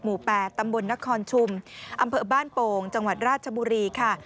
หมู่๘ตำบลนครชุมอำเภอบ้านโป่งจังหวัดราชบุรีค่ะ